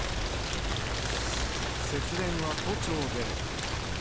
節電は都庁でも。